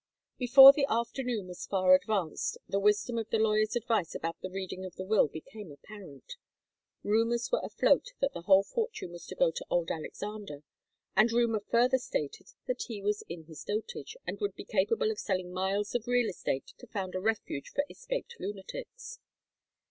Before the afternoon was far advanced, the wisdom of the lawyers' advice about the reading of the will became apparent. Rumours were afloat that the whole fortune was to go to old Alexander, and rumour further stated that he was in his dotage, and would be capable of selling miles of real estate to found a refuge for escaped lunatics.